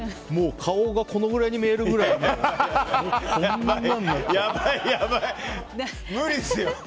顔がこのぐらいに見えるぐらい無理っすよ。